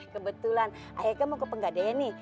kebetulan ayo kan mau ke penggadangnya nih